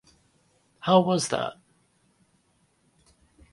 How was that?